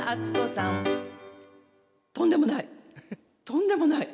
とんでもない。